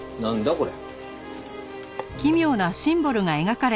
これ。